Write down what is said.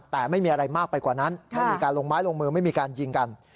แต่ไม่มีอะไรมากไปกว่านั้นไม่มีการลงไม้ลงมือไม่มีการยิงกัน